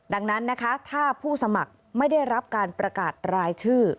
ดังนั้นนะคะถ้าผู้สมัครไม่ได้รับการประกาศรายชื่อ